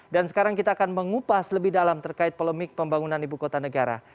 dan sekarang kita akan mengupas lebih dalam terkait polemik pembangunan ibu kota negara